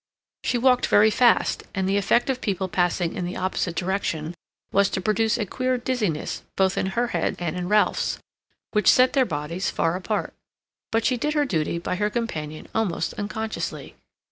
She walked very fast, and the effect of people passing in the opposite direction was to produce a queer dizziness both in her head and in Ralph's, which set their bodies far apart. But she did her duty by her companion almost unconsciously.